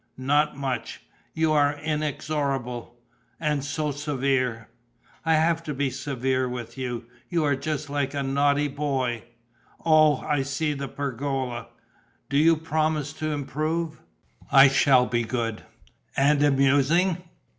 "Not much." "You are inexorable ... and so severe!" "I have to be severe with you: you are just like a naughty boy.... Oh, I see the pergola! Do you promise to improve?" "I shall be good." "And amusing?"